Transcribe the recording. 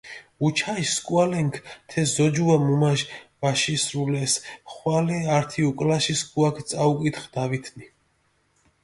უჩაში სქუალენქ თე ზოჯუა მუმაში ვაშისრულეს, ხვალე ართი უკულაში სქუაქ წაუკითხჷ დავითნი.